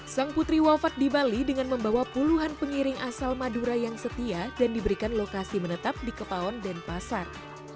sang putri wafat di bali dengan membawa puluhan pengiring asal madura yang setia dan diberikan lokasi menetap di kepaon dan pasar